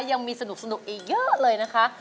ยังมีสนุกอีกเยอะเลยนะคะ